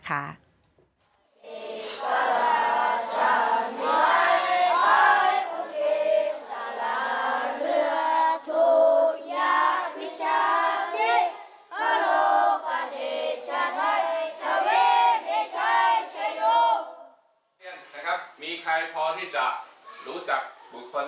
ติดตามได้จากรายงานพิเศษชิ้นนี้นะคะ